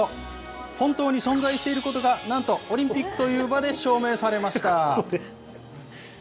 本当に存在していることがなんとオリンピックという場で証明されました。